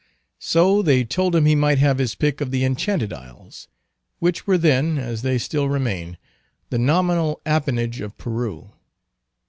So they told him he might have his pick of the Enchanted Isles, which were then, as they still remain, the nominal appanage of Peru.